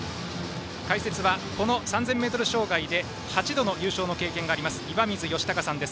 解説は、この３０００ｍ障害で８度の優勝経験があります岩水嘉孝さんです。